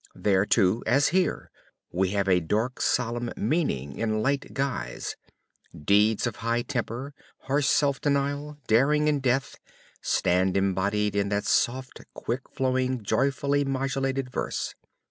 There too, as here, we have a dark solemn meaning in light guise; deeds of high temper, harsh self denial, daring and death, stand embodied in that soft, quick flowing joyfully modulated verse.